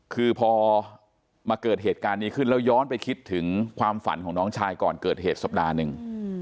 คือพอมาเกิดเหตุการณ์นี้ขึ้นแล้วย้อนไปคิดถึงความฝันของน้องชายก่อนเกิดเหตุสัปดาห์หนึ่ง